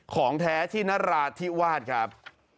ของแท้ที่นราธิวาสครับ